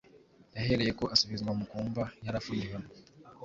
yahereyeko asubizwa mu kumba yari afungiyemo,